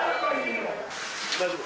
大丈夫。